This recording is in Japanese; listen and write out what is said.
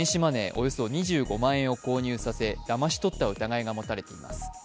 およそ２５万円を購入させだまし取った疑いが持たれています。